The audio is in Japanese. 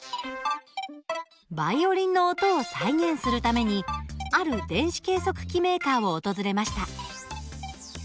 バイオリンの音を再現するためにある電子計測器メーカーを訪れました。